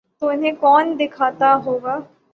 تو انہیں کون دیکھتا ہو گا؟